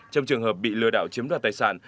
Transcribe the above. trong trường hợp bị lừa đảo chiếm đoạt tài sản